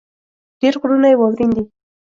ډېر غرونه يې واؤرين دي ـ